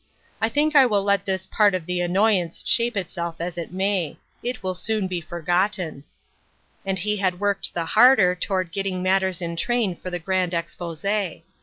I think I will let this part of the annoyance shape itself as it may ; it will soon be forgotten." And he had worked the harder toward getting matters in train for the grand expose.